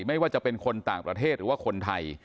ไม่ว่าจะเป็นคนต่างประเทศหรือว่าคนไทย